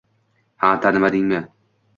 Ha, tanimadingmi